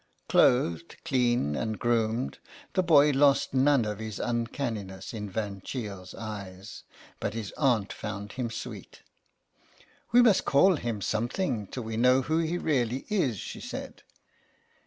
Clothed, clean, and groomed, the boy lost none of his uncanni ness in Van Cheele's eyes, but his aunt found him sweet. *^ We must call him something till we know who he really is," she said.